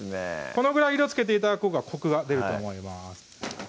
このぐらい色つけて頂くほうがコクが出ると思います